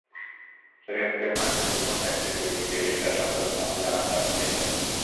শরীয়তপুরে মানহানির দুই মামলায় ইংরেজি দৈনিক ডেইলি স্টার সম্পাদক মাহফুজ আনাম জামিন পেয়েছেন।